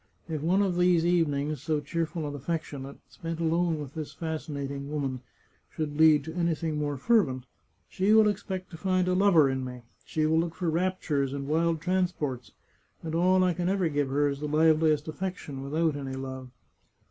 If one of these evenings, so cheerful and affectionate, spent alone with this fascinating woman, should lead to anything more fervent, she will expect to find a lover in me. She will look for raptures and wild transports, and all I can ever give her is the liveliest affection, with out any love.